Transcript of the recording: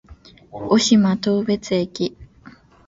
渡島当別駅